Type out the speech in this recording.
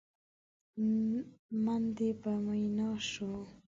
من دې په مينا شو؟!